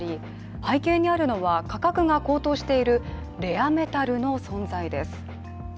背景にあるのは、価格が高騰しているレアメタルの存在です。